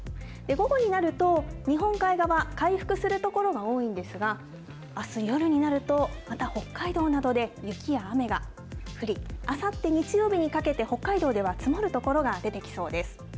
午後になると、日本海側、回復する所が多いんですが、あす夜になると、また北海道などで雪や雨が降り、あさって日曜日にかけて、北海道では積もる所が出てきそうです。